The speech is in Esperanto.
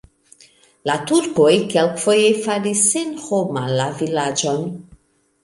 La turkoj kelkfoje faris senhoma la vilaĝon.